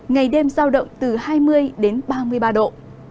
ngày đêm giao động từ hai mươi đến ba mươi ba độ